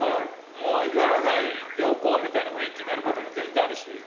もうやらないでおこうみたいな雰囲気になることも全然あるし。